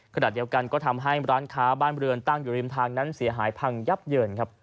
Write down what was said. ขณะเดียวกันก็ทำให้ร้านค้าบ้านเรือนตั้งอยู่ริมทางนั้นเสียหายพังยับเยินครับ